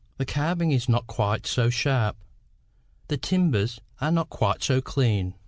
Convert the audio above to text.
The carving is not quite so sharp, the timbers are not quite so clean.